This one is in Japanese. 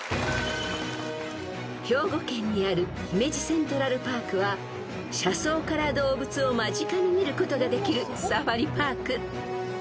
［兵庫県にある姫路セントラルパークは車窓から動物を間近に見ることができるサファリパーク］